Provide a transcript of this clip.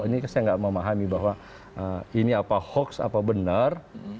ini saya nggak memahami bahwa ini apa hoax apa benar